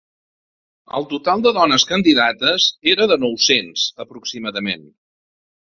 El total de dones candidates era de nou-cents, aproximadament.